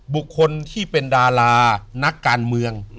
บุคคลที่เป็นดารานักการเมือง